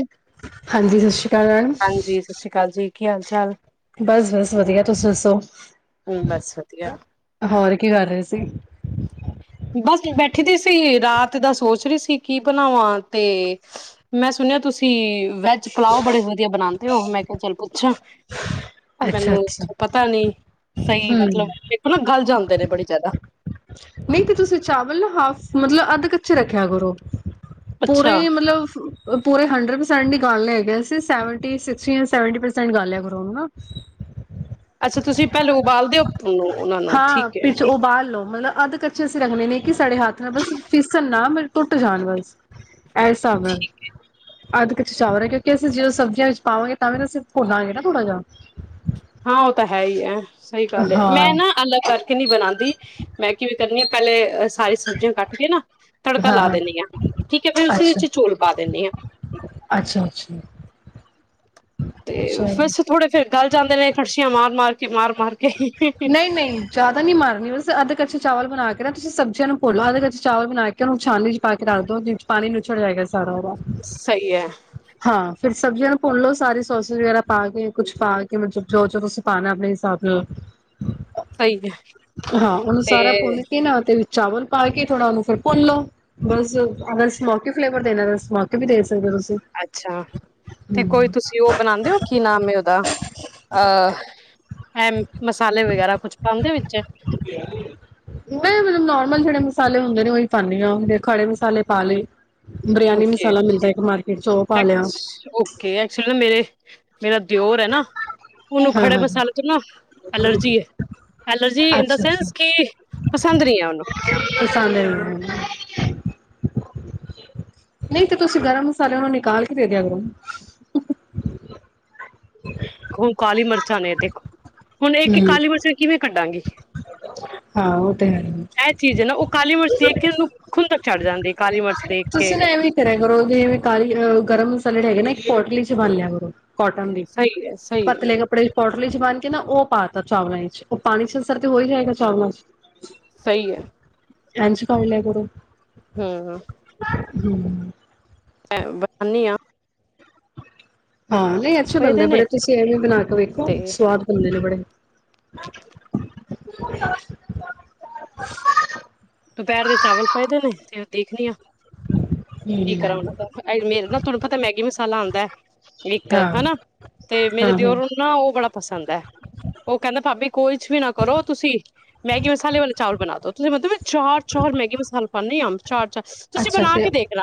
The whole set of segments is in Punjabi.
ਅੱ ਹਾਂਜੀ ਸਤਿ ਸ਼੍ਰੀ ਅਕਾਲ ਮੈਮ ਹਾਂਜੀ ਸਤਿ ਸ੍ਰੀ ਅਕਾਲ ਜੀ ਕੀ ਹਾਲ ਚਾਲ ਬਸ ਬਸ ਵਧੀਆ ਤੁਸੀ ਦੱਸੋ ਹਮ ਬਸ ਵਧੀਆ ਹੋਰ ਕੀ ਕਰ ਰਹੇ ਸੀ ਬਸ ਬੈਠੀ ਦੀ ਸੀ ਰਾਤ ਦਾ ਸੋਚ ਰਹੀ ਸੀ ਕੀ ਬਣਾਵਾਂ ਤੇ ਮੈਂ ਸੁਣਿਆ ਤੁਸੀਂ ਵੈਜ ਪੁਲਾਓ ਬੜੀ ਵਧਆ ਬਣਾਂ ਤੇ ਉਹ ਮੈਂ ਕਿਹਾ ਚੱਲ ਪੁੱਛਾਂ ਅੱਛਾ ਮੈਨੂੰ ਅੱਛਾ ਪਤਾ ਨੀ ਸਹੀ ਹਮ ਮਤਲਬ ਦੇਖੋ ਨਾ ਗੱਲ ਜਾਂ [unintelligible] ਨੇ ਬੜੀ ਜ਼ਿਆਦਾ ਨਹੀਂ ਤੇ ਤੁਸੀਂ ਚਾਵਲ ਨਾ ਹਾਫ ਮਤਲਬ ਅੱਧ ਕੱਚੇ ਰੱਖਿਆ ਕਰੋ ਪੂਰੇ ਅੱਛਾ ਮਤਲਬ ਪੂਰੇ ਹੰਡਰਡ ਪਰਸੈਂਟ ਦੀ ਗੱਲ ਲੈ ਗ ਸੀ ਸਵ ਸਵਟੀ ਪਰਸੈਂਟ ਗੱਲ ਕਰੋ ਅੱਛਾ ਤੁਸੀਂ ਪਹਿਲ ਉਬਾਲਦੇਓ ਉਹਨਾਂ ਨੂੰ ਹਾਂ ਠੀਕ ਹੈ ਪਿੱਛ ਉਬਾਲ [unintelligible] ਕੱਚੇ ਅਸੀਂ ਰੱਖਣੇ ਨੇ ਕਿ ਸਾਡੇ ਹੱਥ ਨਾਲ ਬਸ ਫੀਿਸਣ ਨਾ ਮ ਟੁੱਟ ਜਾਣ ਬਸ ਇਸ ਹਿਸਾਬ ਨਾਲ ਅੱਧ ਕੱਚੇ ਚਾਵਲ ਹੈ ਕਿਉਂਕਿ ਅਸੀਂ ਜਦੋਂ ਸਬਜ਼ੀਆਂ ਵਿੱਚ ਪਾਵਾਂਗੇ ਤਾਂ ਵੀ ਤਾਂ ਅਸੀਂ ਭੁੱਲਾਂਗੇ ਨਾ ਥੋੜ੍ਹਾ ਜਾਿਹਾ ਹਾਂ ਉਹ ਤਾਂ ਹੈ ਹੀ ਹੈ ਸਹੀ ਗੱਲ ਹੈ ਮੈਂ ਨਾ ਹਾਂ ਅੱ ਕਰਕੇ ਕਿ ਨਹੀਂੀ ਬਣਾਉਂਦੀ ਮੈਂ ਕਿਵੇਂ ਕਰਨੀ ਆ ਪਹਿਲੇ ਸਾਰੀ ਸਬਜ਼ੀਆਂ ਕੱਟ ਕੇ ਨਾ ਤੜਕਾ ਲਾ ਦਿੰਦੇ ਹਾਂ ਠੀਕ ਹੈ ਫ ਉਸ ਅੱਛਾ ਵਿੱਚ ਚੌਲ ਪਾ ਦਿੰਦੇ ਹਾਂ ਅੱਛਾ ਅੱਛਾ ਤੇ ਚਲੋ ਵੈਸ ਥੋੜੇ ਫੇਿਰ ਗੱਲ ਜਾਂਦੇ ਨੇ ਕੜਛੀਆਂ ਮਾਰ ਮਾਰ ਕੇ ਮਾਰ ਮਾਰ ਕੇ ਨਹੀਂ ਨਹੀਂ ਜਿਆਦਾ ਨਹੀਂੀ ਮਾਰਨੀ ਬਸ ਅੱਧ ਕੱੱਚ ਚਵਲ ਬਣਾ ਕੇ ਨਾਸੀਂ ਸਬਜ਼ੀਆਂ ਨੂੰ ਭੋਲੋ ਅੱਧ ਕ ਚਵਲ ਬਣਾ ਕੇ ਉਹਨੂੰ ਛੀ ਚਚ ਪਾ ਕੇ ਰੱਖ ਦਿੋ ਜਿਸ ਵਿੱਚ ਪਾਣੀ ਨੂੰ ਉਛੜ ਜਾਏਗਾ ਸੀ ਸਰੋਰਾ ਸਹੀ ਐ, ਹਾਂ ਫਿਰ ਸਬਜ਼ੀਆਂ ਨੂੰ ਭੁੰਨ ਲਓ ਸਾਰੇ ਸੋਸ ਵਗੈਰਾ ਪਾ ਕੇ ਕੁਛ ਪਾ ਕੇ ਮਤਲਬ ਜੋ ਜੋ ਤੁਸੀਂ ਪਾਣਾ ਆਪਣੇ ਹਿਸਾਬ ਨਾਲ ਸਹੀ ਹੈ ਹਾਂ ਉਹਨੂੰ ਸਾਰਾ ਭੁੰਨ ਕੇ ਨਾ ਤੇ ਚਾਵਲ ਪਾ ਕੇ ਥੋੜਾ ਉਹਨੂੰ ਫਿਰ ਭੁੰਨ ਲ ਲੋ ਬਸ ਅਗਰ ਸਮੋਕੀ ਫਲੇਵਰ ਦੇਣਾ ਮ ਵੀ ਦੇ ਸਕਦੇ ਹੋ ਤੁਸੀਂ ਅੱਛਾ ਤੇ ਹੂੰ ਕੋਈ ਤੁਸੀਂ ਉਹ ਬਣਾਉਦੇ ਹੋ ਕੀ ਨਾਮ ਹੈ ਉਹਦਾ ਅਹ ਇਹ ਮਸਾਲੇ ਵਗੈਰਾ ਕੁੱਛ ਪਾਉਂਦੇ ਚ ਨਹੀਂ ਮਤਲਬ ਨੋਰਮਲ ਜਿਹੜੇ ਮਸਾਲੇ ਹੁੰਦੇ ਨੇ ਉਹੀ ਪਾਉਂਦੀ ਹਾਂ ਜ ਖੜੇ ਮਸਾਲੇ ਪਾ ਲਏ ਬਰਿਆਨੀ ਓਕੇ ਮਸਾਲਾ ਮਿਲਦਾ ਇੱਕ ਮਾਰਕੀਟ ਚ ਉਹ ਪਾ ਲਿਆ ਐਕਚੁਲੀ ਨਾ ਮੇਰੇ ਮੇਰਾ ਦਿਓਰ ਹੈ ਨਾ ਓਨੂੰ ਹਾਂ ਖੜੇ ਹਾਂ ਮਸਾਲ ਚ ਨਾ ਐਲਰਜੀ ਹੈ ਐਲਰਜੀ ਇਨ ਦਾ ਅੱਛਾ ਅੱਛਾ ਸੈਂਸ ਕਿ ਪਸੰਦ ਨੀ ਹੈ ਓਨੂੰ ਪਸੰਦ ਹੈ। ਨਹੀਂ ਤੇ ਤੁਸੀਂ ਗਰਮ ਮਸਾਲੇ ਉਹਨੂੰ ਨਿਕਾਲ ਕੇ ਦੇ ਦਿਆ ਕਰੋ ਹੁ ਕਾਲੀ ਮਿਰਚਾਂ ਨੇ ਦੇਖੋ ਹੁਣ ਇੱਕ ਹਮ ਕਾਲੀ ਮਿਰਚਾਂ ਕਿਵੇਂ ਕੱਢਾਂਗੀ ਹਾਂ ਉਹ ਤੇ ਹੈ ਇਹ ਚੀਜ਼ ਹੈ ਨਾ ਉਹ ਕਾਲੀ ਮਿਰਚ ਦੇਖ ਕੇ ਉਹਨੂੰ ਖੁੰਦ ਤੱਕ ਛੱਡ ਜਾਂਦੀ ਹੈ, ਕਾਲੀ ਮਿਰਚ ਦੇਖ ਕੇ ਤੁਸੀਂ ਨਾ ਐਵੇਂ ਕਰਿਆ ਕਰੋ ਜਵੇਂ ਕਾਲੀਹ ਗਰਮ ਮਸਾਲੇਡ ਹੈਗੇ ਨੇ ਪੋਟਲੀ ਚ ਬਾਂਿਆ ਗੁਰੋ ਕੋਟਨ ਦੀ ਸਹੀ ਹੈ ਸਹੀ ਹੈ ਪਤਲੇ ਕੱਪੜੇ ਚ ਕੋਟਨ ਜ ਬਾਨ ਕੇ ਨਾ ਉਹ ਪਾਤਾ ਚਾਵਲਾਂ ਵਿੱਚ ਉਹ ਪਾਣੀ ਚ ਤੇ ਹੋ ਹੀ ਜਾਏਗਾ ਚਾਰ ਮ ਸਹੀ ਹੈ ਅਜ ਕ ਲੈ ਕੁੜ ਹਮ [unintelligible] [unintelligible] ਹਾਂ ਨਹੀਂ ਅੱਛਾ ਪਏ ਦੇ ਬੰਦਾ ਨੇ ਬੜੇ ਤੁਸੀਂ ਇਵੇਂ ਬਣਾ ਕੇ ਵੇਖੋ ਤੇ ਸਵਾਦ ਬਣਦੇ ਨੇ ਬੜੇ [inaudible] ਦੁਪਹਿਰ ਦੇ ਚਾਵਲ ਪਏਦੇ ਨੇ ਤੇ ਦੇਖਣੀ ਆ ਕੀ ਕਰੋ ਉਹਨਾਂ ਹਮ ਦਾ ਮੇਰੇ ਨਾ ਤੁਹਾਨੂੰ ਪਤਾ ਮੈਗੀ ਮਸਾਲਾ ਆਉਂਦਾ ਹੈ ਇੱਕ ਹਾਂ ਹਨਾ ਤੇ ਹਾਂ ਮੇਰੇ ਹਾਂ ਦਿਓਰ ਨੂੰ ਨਾ ਉਹ ਬੜਾ ਪਸੰਦ ਹੈ ਉਹ ਕਹਿੰਦਾ ਭਾਬੀ ਕੋਛ ਵੀ ਨਾ ਕਰੋ ਤੁਸੀਂ ਮੈਗੀ ਮਸਾਲੇ ਵਾਲੇ ਚਾਵਲ ਬਣਾ ਦੋ ਤੁਸੀਂ ਮਤਲਬ ਚਾਰ ਚੋਰ ਮੈਗੀ ਮਸਾਲਾ ਪਨੀ ਆ ਅੱਛਾ ਅੱਛਾ ਤੁਸੀਂ ਅੱਛਾ ਬਣਾ ਤੇ ਕੇ ਦੇਖਣਾ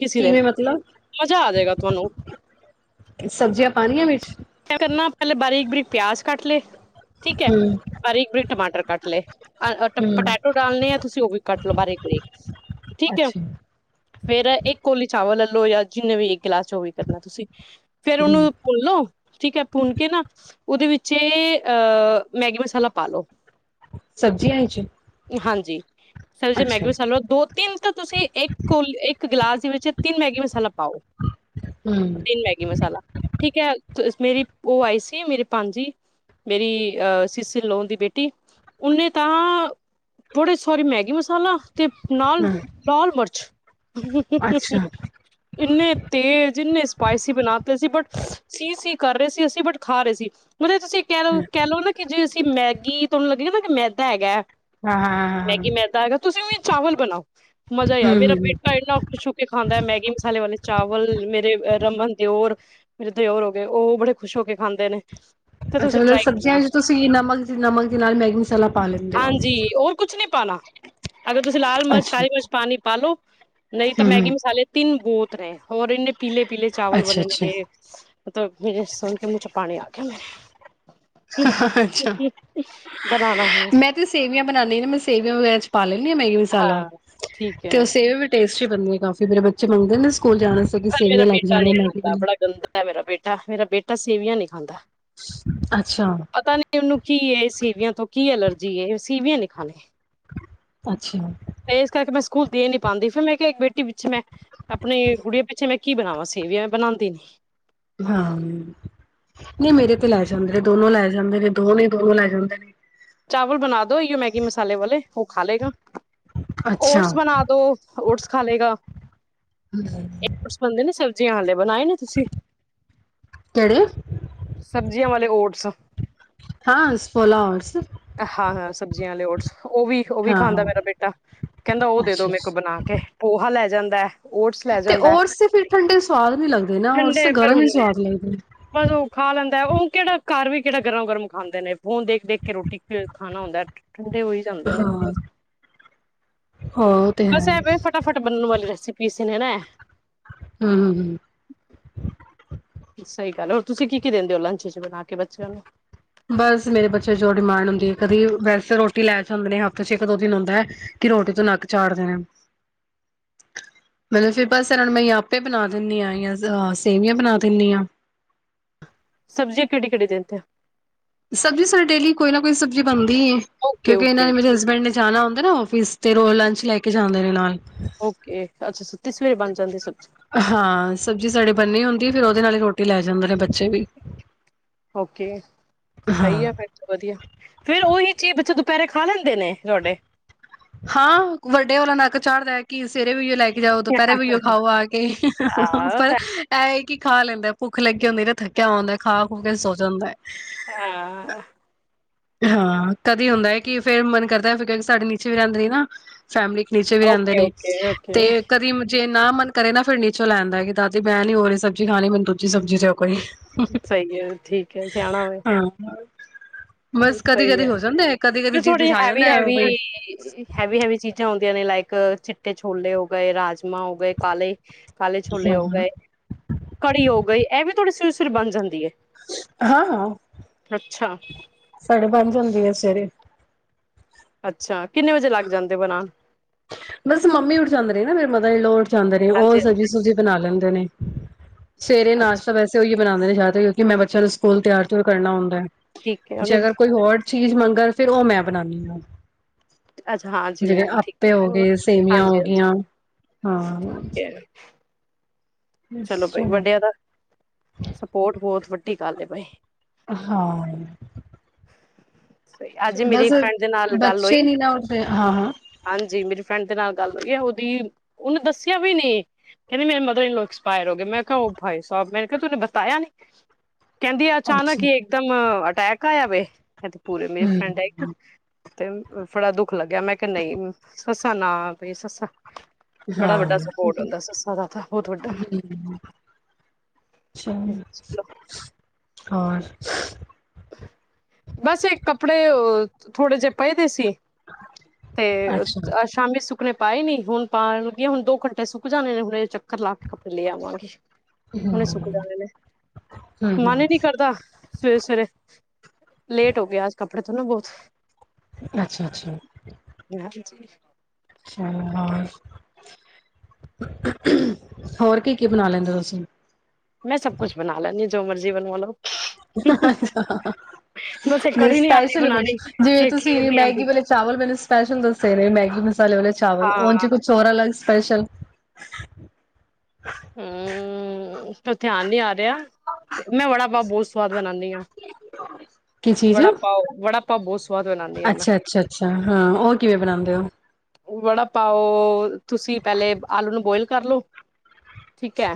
ਕਿਸੇ ਦਿਨ ਕਿਵੇਂ ਮਤਲਬ ਮਜ਼ਾ ਆ ਜਾਏਗਾ ਤੁਹਾਨੂੰ ਸਬਜ਼ੀਆਂ ਪਾਣੀਆਂ ਵਿੱਚ ਕ ਕਰਨਾ ਪਹਿਲੇ ਬਾਰੀਕ ਬਾਰੀਕ ਪਿਆਜ ਕੱਟ ਲਏ ਠੀਕ ਹੈ ਹਮ ਬਾਰੀਕ ਬਰੀਕ ਟਮਾਟਰ ਕੱਟ ਲਏ ਅ ਹਮ ਪਟੈਟੋ ਡਾਲਣੇੇ ਆ ਤੁਸੀਂ ਉਹ ਵੀ ਕੱਟ ਲਓ ਬਾਰੀਕ ਬਰੀਕ ਠੀਕ ਹੈ ਅੱਛਾ ਫੇਰ ਇੱਕ ਕੋਲੀ ਚਾਵਲ ਜਾਂ ਜਿੰਨੇ ਵੀ ਕਲਾਸ ਚੋਂ ਵੀ ਕਰਨਾ ਤੁਸੀਂ ਫੇਰ ਹਮ ਉਹਨੂੰ ਭੁੱਲਲੋ ਠੀਕ ਹੈ ਭੁੰਨ ਕੇ ਨਾ ਉਹਦੇ ਵਿੱਚ ਅਹ ਮੈਗੀ ਮਸਾਲਾ ਪਾ ਲੋ ਸਬਜ਼ੀ ਆਇ ਚ ਹਾਂਜੀ ਸਰ ਜੇ ਮੈਗੀ ਮਸਾਲੋ ਦੋ ਤਿੰਨ ਤਾਂ ਤੁਸੀਂ ਇੱਕ ਇੱਕ ਗਿਲਾਸ ਵਿੱਚੇ ਤਨ ਮੈਗੀ ਮਸਾਲਾ ਪਾਓ ਹਮ ਤੀਨ ਮੈਗੀ ਮਸਲਾ ਠੀਕ ਹੈ ਮੇਰੀ ਉਹ ਆਈ ਸੀ ਮੇਰੀ ਪੰਜ ਜ ਮੇਰੀਹ ਸ਼ਸੀ ਲੋਨ ਦੀ ਬੇਟੀ ਨੇ ਤਾਂ ਥੋੜੀ ਸੋਰੀ ਮੈਗੀ ਮਸਾਲਾ ਅਤੇ ਨਾਲ ਹਮ ਲਾਲ ਮਿਰਚ ਅੱਛਾ ਇੰਨੇ ਤੇਜ਼ ਇੰਨੇ ਸਪਾਈਸੀ ਬਣਾਤੇ ਸੀ ਬਟ ਸੀ ਕਰ ਰਹੇ ਸੀ ਅਸੀਂ ਬਟ ਖਾ ਰਹੇ ਸੀ ਮਤਲਬ ਤੁਸੀਂ ਕਹਿ ਲਓ ਹਾਂ ਕਹਿ ਲਓ ਨਾ ਕਿ ਜੇ ਤੇ ਮੈਗੀ ਤੁਹਾਨੂੰ ਲੱਗੇ ਨਾ ਕਿ ਮੈਦਾ ਹੈਗਾ ਹਾਂ ਹਮ ਮੈਗੀ ਮੈਦਾ ਹੈਗਾ ਤੁਸੀਂ ਵੀ ਚਾਵਲ ਬਣਾਓ ਮਜ਼ਾ ਹੀ ਮੇਰਾ ਹਮ ਬੇਟਾ ਇੰਨਾ ਖੁਸ਼ ਹੋ ਕੇ ਖਾਂਦਾ ਮੈਗੀ ਮਸਾਲੇ ਵਾਲੇ ਚਾਵਲ ਮੇਰੇ ਰਮਨ ਦਿਓਰ ਓਰ ਹੋ ਗਏ ਉਹ ਬੜੇ ਖੁਸ਼ ਹੋ ਕੇ ਖਾਂਦੇ ਨੇ ਤੇ ਅੱਛਾ ਤੁਸੀਂ ਮਤਲਬ ਟਰਾਈ ਕਰਨਾ ਸਬਜ਼ੀਆਂ ਚ ਤੁਸੀਂ ਨਕ ਨਮਕ ਦੇ ਨਾਲ ਮੈਗੀ ਮਸਾਲਾ ਪਾ ਲੈਂਦੇ ਹੋ ਤਲ ਅਗਰ ਤੁਸੀਂ ਲਾਲ ਮਰਚ ਅੱਛਾ ਕਾਲੀ ਮਿਰਚ ਪਾਣੀ ਪਾਾਲਓ ਨਹੀਂ ਤਾਂ ਹਮ ਮੈਗੀ ਹਮ ਮਸਾਲੇ ਤਿੰਨ ਬੂਤ ਹੋਰ ਇਨੇ ਪੀਲੇ ਪੀਲੇ ਚਾਵਲ ਅੱਛਾ ਅੱਛਾ ਬਣਨਗੇ ਮਲਬ ਮੇਰੇ ਸੁਣ ਕੇ ਮੁ ਪਾਣੀ ਆ ਗਿਆ ਮੈਂਰੇ ਅੱਛਾ ਬਣਾਣਾ ਹੈ ਮੈਂ ਤੇ ਸੇਵੀਆਂ ਬਣਾਉਂਦੀ ਨਾ ਮੈਂ ਸੇਵੀਆਂ ਵਗੈਰਾ ਪਾਲਨ ਮੈਗੀ ਮਸਾਲਾ ਹਾਂ ਠੀਕ ਤੇ ਉਹ ਹੈ ਸੇਵ ਵੀ ਟੇਸਟ [unintelligible] ਕਾਫੀੇਰੇ ਬੱਚੇ ਮੰਦੇ ਨੇ ਸਕੂਲ ਜਾਣ ਵਾਸਤੇ ਕਿ ਪਰ ਮੇਰਾ ਸੇਵੀਆਂ ਲੈ ਕੇ ਬੇਟਾ ਜਾਣੀਆਂ ਨਹੀਂੀ ਮੈਗੀ ਖਾਂਦਾ ਬੜਾ ਬਣਾ ਗੰਦਾ ਮੇਰਾ ਬੇਟਾ ਮੇਰਾ ਬੇਟਾ ਤਾਂ ਸੀਵੀਆਂ ਨਹੀਂ ਖਾਂਦਾ ਅੱਛਾ ਪਤਾ ਨ ਉਹਨੂੰ ਕੀ ਹੈ ਇਹ ਸੀਵੀਆਂ ਤੋਂ ਕੀ ਐਲਰਜੀ ਜੀ ਇਹ ਸੀ ਵੀੀਏ ਲਿਖਾੇ ਅੱਛਾ ਤੇ ਇਸ ਕਰਕੇ ਮੈਂ ਸਕੂਲ ਦੇ ਨੀ ਪਾਉਂਦੀ ਫਿਰ ਮੈਂ ਕਿਹਾ ਇੱਕ ਬੇਟੀ ਪਿੱਛੇ ਮੈਂ ਆਪਣੇ ਕੁੜੀੀਆਂ ਪਿੱਛੇ ਮੈਂ ਕੀ ਬਣਾਵਾਾਂ ਸੀ ਵੀ ਮ ਬਣਾਉਂਦੀ ਨ ਹਾਂ ਨਹੀਂ ਮੇਰੇ ਤੇ ਲੈ ਜਾਂਦੇ ਨੇ ਦੋਨੋ ਲੈ ਜਾਂਦੇ ਨੇ ਦੋ ਨੇ ਦੋਨੋ ਲੈ ਜਾਂਦੇ ਨੇ ਚਾਵਲ ਬਣਾ ਦੋ ਮੈਗੀ ਮਸਾਲੇ ਵਾਲੇ ਉਹ ਖਾ ਲਏਗਾ ਅੱਛਾ ਓਟਸ ਬਣਾ ਦੋ ਓਟਸ ਖਾ ਲਗਾ ਹਮ ਜੀ ਹ ਬਣਾਏ ਨੇ ਤੁਸੀਂ ਕਿਹੜੇ ਸਬਜ਼ੀਆਂ ਵਾਲੇ ਓਟਸ ਹਾਂ ਸ ਫੋਲਵਰਸ ਹਾਂ ਹਾਂ ਸਬਜ਼ੀਆਂ ਵਾਲੇ ਓਟਸ ਉਹ ਵੀ ਉਹ ਵੀ ਹਾਂ ਖਾਂਦਾ ਹਾਂ ਮੇਰਾ ਬੇਟਾ ਕਹਿੰਦਾ ਉਹ ਦੇ ਦੋ ਅੱਛਾ ਮੇ ਕੋ ਅੱਛਾ ਬਣਾ ਕੇ ਪੋਹਾ ਲੈ ਜਾਂਦਾ ਵਾਹ ਤੇ ਔਰਸ ਫਿਰ ਠੰਡੇ ਸਵਾਦ ਨੀ ਲੱਗਦੇ ਨਾ ਔਰਸ ਠੰਡੇ ਤੇ ਫਿਰ ਗਰਮ ਹੀ ਹੁਣ ਸਵਾਦ ਲੱਗਦੇ ਬਸ ਉਹ ਖਾ ਲੈਂਦਾ ਉਹ ਕਿਹੜਾ ਘਰ ਵੀ ਕਿਹੜਾ ਗਰਮ ਗਰਮ ਖਾਂਦੇ ਨੇ ਫੋਨ ਦੇਖ ਫਿਰ ਖਾਣਾ ਹੁੰਦਾ ਠੰਡੇ ਹੋ ਹੀ ਜਾਂਦੇ ਆ ਉਹ ਦੇ ਹਾਂ ਹਾਂ ਉਹ ਤੇ ਹੈ ਬਸ ਇਹਵੇ ਹਮ ਫਟਾਫਟ ਬਨ ਵਾਲੇ ਰਸ ਸੀ ਪੀਸ ਨੇ ਨਾ ਹਮ ਹਮ ਸਹੀ ਗੱਲ ਹੈ ਹੋਰ ਤੁਸੀਂ ਕੀ ਕੀ ਦਿੰਦੇ ਹੋ ਲੰਚ ਚ ਬਣਾ ਕੇ ਬੱਚਿਆਂ ਨੂੰ ਬਸ ਮੇਰੇ ਬੱਚੇ ਜੋ ਡਿਮਾਂਡ ਹੁੰਦੀ ਹੈ ਕਦੇ ਵੈਸੇ ਫ ਰੋਟੀ ਲੈ ਚ ਆਦੇ ਨੇ ਹਫ਼ਤੇ ਚ ਇੱਕ ਦੋ ਦਿਨ ਹੁੰਦਾ ਹੈ ਕਿ ਰੋਟੀ ਤੋਂ ਨੱਕ ਚਾੜ ਦੇਣਾ ਮਤਲਬ ਫਿਰ ਬਸ ਇਹ ਨੂੰ ਮੈਂ ਆਪੇ ਬਣਾ ਦਿੰਦੀ ਹਾਂ ਜਾਂ ਅਹ ਸੇਵੀਆਂ ਬਣਾ ਦਿੰਦੀ ਹ ਸਬਜ਼ੀਆਂ ਕਿਹੜੀ ਕਿਹੜੀ ਦਿੰਦੇ ਆ ਸਬਜ਼ੀ ਸਾਡੀ ਡੇਲੀ ਕੋਈ ਨਾ ਕੋਈ ਸਬਜ਼ੀ ਬਣਦੀ ਓਕੇ ਕਿਉਂਕਿ ਇਹਨਾਂ ਓਕੇ ਨੇ ਮੇਰੇ ਠੀਕ ਹਸਬੈਂਡ ਨੇ ਜਾਣਾ ਹੁੰਦਾ ਨਾ ਉਹ ਆਫਿਸ ਤੇ ਰੋਲ ਲੰਚ ਲੈ ਕੇ ਜਾਂਦੇ ਨੇ ਨਾਲ ਓਕੇ ਅੱਛਾ ਸਵੇਰੇ ਬਣ ਜਾਂਦੀ ਸਬਜ਼ੀ ਹਾਂ ਸਬਜ਼ੀ ਸਾਡੇ ਬੰਨੇ ਹੁੰਦੀ ਫਿਰ ਉਹਦੇ ਨਾਲ ਹੀ ਰੋਟੀ ਲੈ ਜਾਂਦੇ ਨੇ ਬੱਚੇ ਵੀ ਓਕੇ ਸਹੀ ਹਾਂ ਹੈ ਫਿਰ ਵਧੀਆ ਫੇਿਰ ਉਹੀ ਚੀਜ਼ ਬਾ ਪੈਰੇ ਖਾ ਲੈਂਦੇ ਨੇ ਤੁਹਾਡੇ ਹਾਂ ਵੱਡੇ ਵਾਲਾ ਨੱਕ ਚਾੜ੍ਹਦਾ ਹੈ ਕਿ ਸਵੇਰੇ ਵੀ ਲੈ ਕੇ ਜਾਓ ਦ ਪਹਿਰੇ ਵੀਓ ਖਾਓ ਆ ਕੇ ਹਾਂ ਪਰ ਇਹ ਖਾ ਲੈਂਦਾ ਭੁੱਖ ਲੱਗੀ ਹੁੰਦੀ ਤੇ ਥੱਕਿਆ ਆਉਂਦਾ ਖਾ ਖੂ ਕੇ ਸੋ ਜਾਂਦਾ ਹੈ ਹਾਂ ਹਾਂ ਕਦੇ ਹੁੰਦਾ ਹੈ ਕਿ ਫੇਰ ਮਨ ਕਰਦਾ ਫਿਰ ਕਿਉਂਕਿ ਸਾਡੇ ਨੀਚੇ ਵੀ ਰਹਿੰਦੇ ਰ ਨਾ ਫੈਮਲੀ ਨੀਚੇ ਵੀ ਰਹਿੰਦੇ ਓਕੇ ਨੇ ਓਕੇ ਤੇ ਓਕੇ ਕਦੀ ਜੇ ਨਾ ਮਨ ਕਰੇ ਨਾ ਫਿਰ ਨੀਚੋਂ ਲੈਣਦਾ ਕਿ ਦਾਦੀ ਮੈਂ ਨੀ ਹੋ ਰਹੀ ਸਬਜ਼ ਖਾਣੀ ਮੈਨ ਦੂਜੀ ਸਬਜ਼ੀ ਤੇਓ ਕੋਈ ਸਹੀ ਹੈ ਠੀਕ ਹੈ ਸਿਆਣਾ ਹੋਵੇ ਹਾਂ ਬਸ ਕਦੀ ਸਹੀ ਕਦੀ ਹੋ ਜਾਂਦਾ ਕਦੀ ਹੈ ਕਦੀ ਜਿੱਦ ਥੋੜੀ ਛਾ ਹੈਵੀ ਜਾਂਦਾ ਹੈਵੀ ਹੈਵੀ ਹੈਵੀ ਚੀਜ਼ਾਂ ਆਦੀਆਂ ਨੇ ਲਾਇਕ ਚਿੱਟੇ ਛੋਲੇ ਹੋ ਗਏ ਰਾਜਮਾਂ ਹੋ ਗਏ ਕਾਲੇ ਕਾਲੇ ਛੋਲੇ ਹੋ ਗਏ ਕੜੀ ਹੋ ਗਈ ਇਹ ਵੀ ਥੋੜੀ ਸ ਫਿਰ ਬਣ ਜਾਂਦੀ ਹੈ ਹਾਂ ਹਾਂ ਅੱਛਾ ਸਾਢੇ ਪੰਜ ਹੁੰਦੀ ਹੈ ਸਵੇਰੇ ਅੱਛਾ ਕਿੰਨੇ ਵਜੇ ਲੱਗ ਜਾਂਦੇ ਬਣਾ ਬਸ ਮੰਮੀ ਉਠਾਉਂਦੇ ਰ ਨਾ ਮੇਰੇ ਮਤਾਦਾ ਇਹ ਲ ਲੋ ਉਠਾਂਦੇ ਰਹੇ ਉਹ ਹਾਂਜੀ ਸਬਜ਼ੀ ਹਾਂਜੀ ਸੁਬਜ਼ੀ ਬਣਾ ਲੈਣ [unintelligible] ਸਵੇਰੇ ਅੱਛਾ ਨਾਸ਼ਤਾ ਵੈਸੇ ਉਹੀ ਬਣਾਉਂਦੇ ਜਾ ਕਿਉਕਿ ਮੈਂ ਬੱਚਿਆਂ ਨੂੰ ਸਕੂਲ ਤਿਆਰ ਕਰਨਾ ਹੁੰਦਾ ਹੈ ਠੀਕ ਹੈ ਜੇ ਉਹਨੇ ਅਗਰ ਕੋਈ ਹੋਰ ਚੀਜ਼ ਮੰਗਣ ਫਿਰ ਉਹ ਮੈਂ ਬਣਾਉਾਨਦੀ ਹਾਂ ਅੱਛਾ ਹਾਂਜੀੀਵੇੈਂ ਜਿਵੇਂ ਠੀਕ ਹੈ ਆਪੇ ਹੋ ਗਏ ਸੇਵੀਆਂ ਹੋ ਗਈਆਂ ਹਾਂ ਠੀਕ ਹੈ ਚਲੋ ਭਾਈ ਵੱਡਿਆਂ ਦਾ ਸਪੋਰਟ ਬਹੁਤ ਵੱ ਟੀ ਕਰ ਪਏ ਹਾਂ ਅੱਜ ਮੇਰੀ ਬਸ ਫਰੈਂਡ ਦੇ ਨਾਲ ਗੱਲ ਹੋਈ ਬੱਚੇ ਨੀ ਨਾ ਉੱਠਦੇ ਹਾਂ ਹਾਂ ਹਾਂਜੀ ਮੇਰੀ ਫਰੈਂਡ ਦੇ ਨਾਲ ਗੱਲ ਵ ਉਹਦੀ ਉਹਨੂੰ ਦੱਸਿਆ ਵੀ ਨੀ ਕਹਿੰਦੇ ਮੇਰੇ ਮਦਰ ਪਾਇਰ ਹੋ ਗਏ ਮੈਂ ਕਿਹਾ ਉਹ ਭਾਈ ਸਾਹਿਬ ਮੈਂ ਕਿਹਾ ਤੂੰਨੇ ਬਤਾਇਆ ਨੀ ਕਹਿੰਦੀ ਹੈ ਅਚਾਨਕ ਅੱਛਾ ਹੀ ਇੱਕਦਮ ਪੈਕ ਆ ਜਾਵੇ ਪੂਰੇ ਮੇਰੀ ਫਰੈਂਡ ਹੈ ਹਮ ਇੱਕ ਤੇ ਫੜਾ ਦੁੱਖ ਲੱਗਿਆ ਮੈਂ ਕਿਹਾ ਨਹੀਂ ਸੱਸਾ ਨਾ ਪਈ ਸੱਸਾ ਬੜਾ ਵੱਡਾ ਹਾਂ ਸਪੋਰਟ ਹੁੰਦਾ ਸਾ ਤਥਾ ਬਹੁਤ ਵੱਡਾ ਅ ਚਾ ਹੋਰ ਬਸ ਇੱਕ ਕੱਪੜੇ ਥੋੜੇ ਜਿਹੇ ਪਏਦੇ ਸੀ ਤੇ ਅੱਛਾ ਅ ਸ਼ਾਮੀ ਕੱਪਣੇ ਪਾਏ ਨੀ ਹੁਣ ਪਾਗੀਆਂ ਹੁਣ ਦੋ ਘੰਟੇ ਸੁੱਕ ਜਾਣੇ ਨੇ ਹੁਣੇ ਚੱਕਰ ਲਾ ਕੇ ਕੱੜੇ ਲੈ ਆਵਾਂਗੇ ਹੁਣੇ ਸੁੱਕ ਜਾੇ ਨੇ ਹਮ ਮਨ ਹੀ ਹਮ ਨੀ ਕਰਦਾ ਸਵੇਰੇ ਸਵੇਰੇ ਲੇਟ ਹੋ ਗਿਆ ਆਜ ਕ ਕੱਪੜੇ ਥ ਨਾ ਬਹੁਤ ਅੱਛਾ ਅੱਛਾ ਹਾਂਜੀ ਅਛਾ ਹੋਰ ਕੀ ਕੀ ਬਣਾ ਲੈਂਦੇ ਤੁਸੀਂ ਮੈਂ ਸਭ ਕੁੱਛ ਬਣਾ ਲੈਂਦੀ ਜੋ ਮਰਜ਼ੀ ਬਣਵਾ ਲੋ ਬਸ ਇਹ ਕੜੀ ਨੀ ਆਂਦੀ ਸਪੈਸ਼ਲ ਕੁਛ ਬਣਾਣੀ ਜਿਵੇਂ ਤੇ ਖੀਰ ਤੁਸੀਂ ਨੀ ਮੈਗੀ ਆਂਦੀ ਵਾਲੇ ਚਾਵਲ ਮੈਨੂੰ ਸਪੈਸ਼ਲ ਦੱਸੇ ਨੇ ਮੈ ਮਸਾਲੇ ਵਾਲੇ ਚਾਵਲ ਹਾਂ ਉਹਚ ਕੁਛੋਰਾ ਅੱਗ ਸਪੈਸ਼ਲ ਹਮ ਉੱਥੇ ਆਉਣ ਨੀ ਆ ਰਿਹਾ ਤੇ ਮੈਂ ਵੜਾ ਪਾਾ ਬਹੁਤ ਸਵਾਦ ਬਣਾਉਂਦੀਆਂ ਕੀ ਚੀਜ਼ ਬੜਾ ਪਾਓ ਬੜਾ ਤਾਂ ਬਹੁਸ ਸਵਾਦ ਬਣਾਉਦੀ ਹ ਮੈਂ ਅੱਛਾ ਅੱਛਾ ਅੱਛਾ ਹਾਂ ਉਹ ਕਿਵੇਂ ਬਣਾਉਂਦੇ ਹੋ? ਬੜਾ ਪਾਓ ਤੁਸੀਂ ਪਹਿਲੇ ਆਲੂ ਨੂੰ ਬੋਇਲ ਕਰਲੋ ਠੀਕ ਹੈ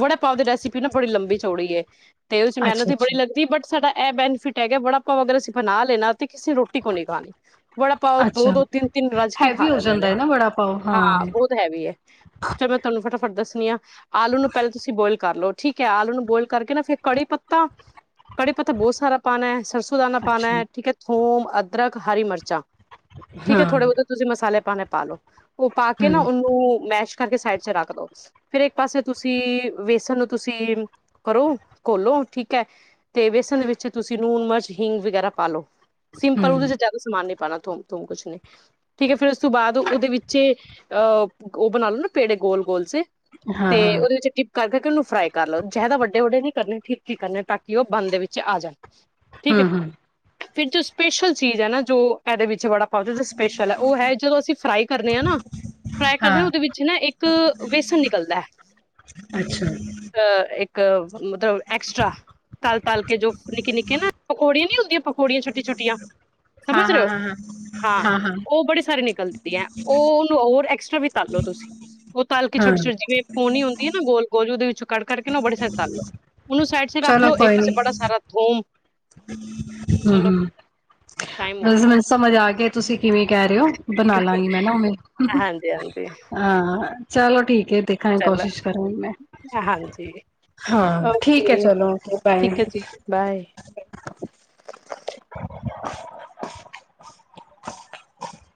ਵੜੇ ਪਾਓ ਦੀ ਰੈਸਿਪੀ ਨਾ ਬੜੀ ਲੰਬੀ ਚੌੜੀ ਏ ਤੇ ਉਹ ਚ ਮੈਨੂੰ ਅੱਛਾ ਤੇ ਅੱਛਾ ਬੜੀ ਲੱਗਦੀ ਬਟ ਸਾਡਾ ਇਹ ਬੈਨੀਫਿਟ ਹੈਗਾ ਬੜਾ ਭਾ ਅਗਰ ਅਸੀਂ ਬ ਲੈਣਾ ਤੇ ਕਿਸੇ ਰੋਟੀ ਕੋ ਨੀ ਖਾਣੀ ਬੜਾ ਪਾਓ ਦੋ ਅੱਛਾ ਦੋ ਤਿੰਨ ਤਿੰਨ ਰਜ ਕੇ ਖਾ ਹੈਵੀ ਹੋ ਲੈਣੇ ਨੇ ਜਾਂਦਾ ਹੈ ਨਾ ਬੜਾ ਪਾਓ ਹਾਂ ਬਹੁਤ ਹੈਵੀ ਹੈ ਚ ਮੈਂ ਤੁਹਾਨੂੰ ਫਟਾ ਤੁਹਾਡ ਦੱਸਨੀ ਆ ਆਲੂ ਨੂੰ ਬੋਆਇਲ ਕਰ ਲੋ ਠੀਕ ਹੈ ਆਲੂ ਨੂੰ ਬੋਇਲ ਕਰਕੇ ਨਾ ਫੇਰ ਕੜੀ ਪੱਤਾ ਕੜੀ ਪੱਤਾ ਬਹੁਤ ਸਾਰਾ ਪਾਉਣਾ ਹੈ ਸਰਸ ਸੁਦਾਨਾ ਪਉਣਾ ਅੱਛਾ ਹੈ ਠੀਕ ਹੈ ਥੋਮ ਅਦਰਕ ਹਰੀ ਮਿਰਚ ਠੀਕ ਹਾਂ ਥੋੜੇ ਬਹੁਤੇ ਤੁਸੀਂ ਮਸਾਲੇ ਭਾਵੇ ਪਾ ਲੋ ਉਹ ਪਾ ਕੇ ਨਾ ਹਮ ਉਹਨੂੰ ਮੈਸ਼ ਕਰਕੇ ਸਾਈਡ ਚ ਰੱਖ ਦੋ ਫੇਰ ਇੱਕ ਪਾਸੇ ਤੁਸੀਂ ਤੁਸੀਂ ਵੇਸਣ ਨੂੰ ਤੁਸੀਂ ਕਰੋ ਘੋਲੋ ਠੀਕ ਹੈ ਤੇ ਵੇਸਣ ਵਿੱਚ ਤੁਸੀਂ ਨੂਣ ਮਿਰਚ ਹਿੰਗ ਵਗੈਰਾ ਪਾ ਲੋ ਸਿੰਪਲ ਉਹਦੇ ਹਮ ਚ ਜ਼ਿਆਦਾ ਸਮਾਨ ਨੀ ਪਾਣਾ ਕੁਛ ਨੀ ਠੀਕ ਹੈ ਫੇਰ ਉਸ ਤੋਂ ਬਾਅਦ ਉਹਦੇ ਵਿੱਚ ਅਹ ਉਹ ਬਣਾ ਲੋ ਨਾ ਪੇੜੇ ਗੋਲ ਗੋਲ ਸੇ ਹਾਂ ਤੇ ਹਾਂ ਉਹਦੇ ਵਿੱਚ ਡਿਪ ਕਰਕੇ ਉਹਨੂੰ ਫਰਾਈ ਕਰ ਲਓ ਜ਼ਿਆਦਾ ਵੱਡੇ ਵੱਡੇ ਨਹੀਂ ਕਰਨੇ ਠੀਕ-ਠੀਕ ਕਰਨੇ ਤਾਂ ਕਿ ਉਹ ਬੰਦ ਦੇ ਵਿੱਚ ਆ ਜਾਣ ਠੀਕ ਹੈ ਹਮ ਹੰ ਫਿਰ ਜੋ ਸਪੈਸ਼ਲ ਚੀਜ਼ ਹੈ ਨਾ ਜੋ ਇਹਦੇ ਵਿੱਚ ਵੜਾ ਪਾਓ ਸਪੈਸ਼ਲ ਹੈ ਉਹ ਹੈ ਜਦੋਂ ਅਸੀਂ ਫਰਾਈ ਕਰਨੇ ਹਾਂ ਨਾ ਫਰਾਈ ਕਰਦੇ ਹਾ ਹਾਂ ਉਹਦੇ ਵਿੱਚ ਇੱਕ ਬੇਸਨ ਨਿਕਲਦਾ ਹੈ ਅੱਛਾ ਇੱਕ ਮਤਲਬ ਐਕਸਟਰਾ ਤਲ ਤਲ ਕੇ ਜੋ ਨਿੱਕੇ ਨਿੱਕੇ ਆਂ ਨਾ ਪਕੌੜੀਆਂ ਨੀ ਹੁੰਦੀਆਂ ਪਕੌੜੀਆਂ ਛੋਟੀਆਂ ਛੋਟੀਆਂ ਹਾਂ ਸਮਝ ਰਹੇ ਹਾਂ ਹੋ ਹਾਂ ਹਾਂ ਉਹ ਬੜੇ ਸਾਰੇ ਨਿਕਲਦੀ ਆ ਉਹਨੂੰ ਐਕਸਟਰਾ ਉਹ ਵੀ ਤਲ ਲੋ ਤੁਸੀਂ ਉਹ ਤਲ ਕੇ ਛੋਟੀ ਹਾਂ ਛੋਟੀ ਜਿਵੇਂ ਪੌਣੀ ਗੋਲੂ ਦੇ ਵਿੱਚ ਕਰਕੇ-ਕਰਕੇ ਨਾ ਉਹ ਬੜੇ ਸਾਰੇ ਤਲ ਲਓ ਉਹਨੂੰ ਸਾਈਡ ਚ ਰੱਖ ਲਓ ਇੱਕ ਪਾਸੇ ਬੜਾ ਸਾਰਾ ਧੂਮ ਹੂੰ ਟਾਈਮ ਹੋ ਹੂੰ ਸਮਝ ਆ ਗਈ ਤੁਸੀਂ ਕਿਵੇਂ ਕਹਿ ਰਹੇ ਹੋ ਬਣਾ ਲਾਂਗੀ ਮੈਂ ਨਾ ਉਵੇਂ ਹਾਂਜੀ ਹਾਂਜੀ ਹਾਂ ਚਲੋ ਠੀਕ ਹੈ ਦੇਖਾਂਗੇ ਚਲੋ ਕੋਸ਼ਿਸ਼ ਕਰਾਂਗੀ ਮੈਂ ਹਾਂਜੀ, ਹਾਂ ਠੀਕ ਹੈ ਓਕੇ ਚਲੋ ਓਕੇ ਬਾਏ। ਠੀਕ ਹੈ ਜੀ, [inaudible] [unintelligible]